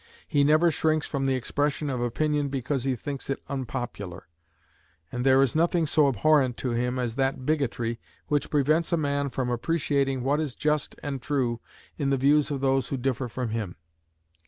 He never shrinks from the expression of opinion because he thinks it unpopular; and there is nothing so abhorrent to him as that bigotry which prevents a man from appreciating what is just and true in the views of those who differ from him.